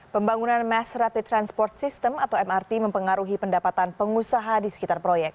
pembangunan mass rapid transport system atau mrt mempengaruhi pendapatan pengusaha di sekitar proyek